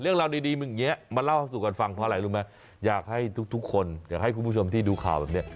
เรื่องราวดีอย่างนี้มาเล่าสู่กันฟังเพราะอะไรรู้ไหมอยากให้ทุกคนอยากให้คุณผู้ชมที่ดูข่าวแบบนี้